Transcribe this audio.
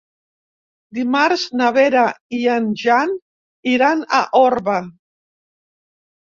Dimarts na Vera i en Jan iran a Orba.